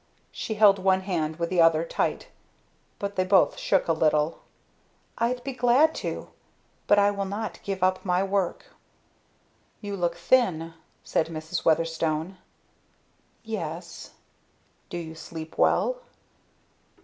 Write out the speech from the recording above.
She held one hand with the other, tight, but they both shook a little. "I'd be glad to. But I will not give up my work!" "You look thin," said Mrs. Weatherstone. "Yes " "Do you sleep well?"